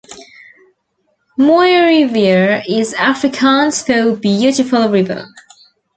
"Mooirivier" is Afrikaans for "beautiful river".